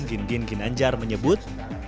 gin gin ginanjar menyebut